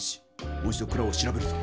もう一度蔵を調べるぞ。